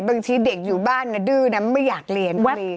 บางทีเด็กอยู่บ้านดื้อนะไม่อยากเรียน